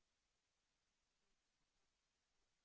โปรดติดตามต่อไป